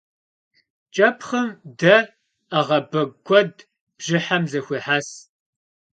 Ç'epxhım de, 'eğebegu kued bjıhem zexuêhes.